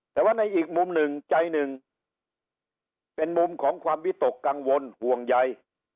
แต่ว่าในอีกมุมหนึ่งใจหนึ่งเป็นมุมของความวิตกกังวลห่วงใย